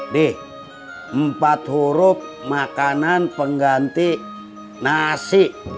di empat huruf makanan pengganti nasi